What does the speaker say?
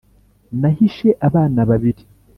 nahishe abana babiri